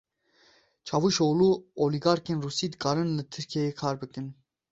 Çavuşoglu Olîgarkên Rûsî dikarin li Tirkiyeyê kar bikin.